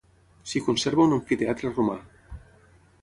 S'hi conserva un amfiteatre romà.